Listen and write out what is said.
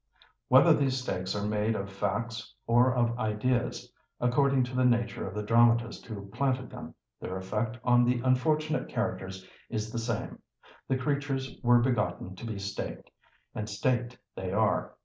Whether these stakes are made of facts or of ideas, according to the nature of the dramatist who planted them, their effect on the unfortunate characters is the same; the creatures were begotten to be staked, and staked they are!